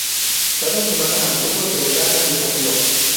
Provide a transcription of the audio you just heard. Cada semana, al grupo se le da un desafío.